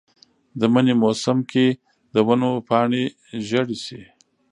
د منې موسم کې د ونو پاڼې ژیړې شي.